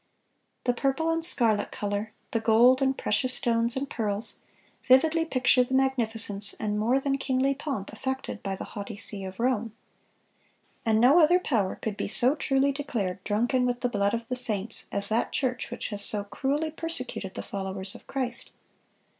The purple and scarlet color, the gold and precious stones and pearls, vividly picture the magnificence and more than kingly pomp affected by the haughty see of Rome. And no other power could be so truly declared "drunken with the blood of the saints" as that church which has so cruelly persecuted the followers of Christ.